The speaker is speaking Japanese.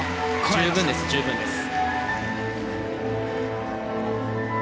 十分です十分です。